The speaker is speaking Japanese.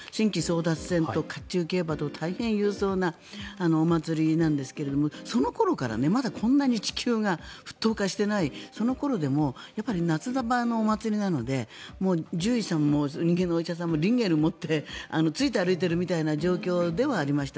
甲冑競馬とか大変勇壮なお祭りなんですけどその頃から、まだこんなに地球が沸騰化していないその頃でも夏のお祭りなので獣医さんも人間のお医者さんもリンゲルを持ってついて回っている状況ではありました。